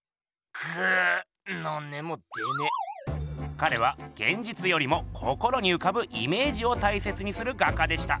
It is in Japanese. かれはげんじつよりも心にうかぶイメージを大切にする画家でした。